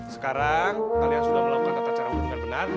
sekarang kalian sudah melakukan tata cara yang benar benar